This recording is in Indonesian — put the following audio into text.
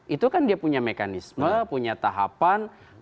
itu kan dia punya mekanisme punya tahapan